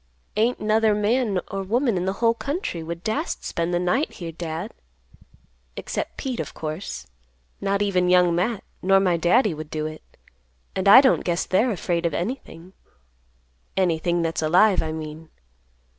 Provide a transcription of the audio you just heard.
"Ain't 'nother man or woman in the whole country would dast spend the night here, Dad; except Pete, of course. Not even Young Matt, nor my Daddy would do it; and I don't guess they're afraid of anything—anything that's alive, I mean.